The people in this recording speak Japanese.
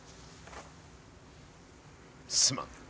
すまん。